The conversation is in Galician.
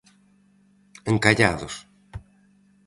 Encallados.